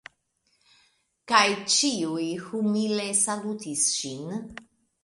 Kaj ĉiuj humile salutis ŝin.